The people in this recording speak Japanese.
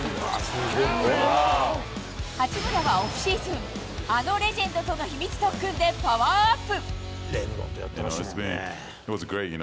八村はオフシーズン、あのレジェンドとの秘密特訓でパワーアップ。